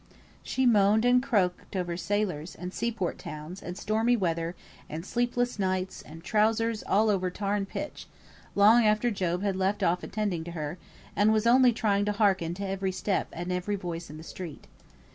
She moaned and croaked over sailors, and sea port towns, and stormy weather, and sleepless nights, and trousers all over tar and pitch, long after Job had left off attending to her, and was only trying to hearken to every step and every voice in the street.